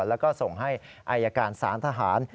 แล้วก็ส่งให้อายการสารทหาร